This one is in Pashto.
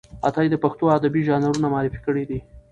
عطايي د پښتو ادبي ژانرونه معرفي کړي دي.